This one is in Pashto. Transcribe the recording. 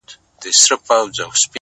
دا لکه ماسوم ته چي پېښې کوې.